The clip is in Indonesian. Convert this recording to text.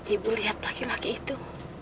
ibu lihat laki laki itu